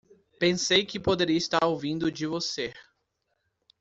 Pensei que poderia estar ouvindo de você.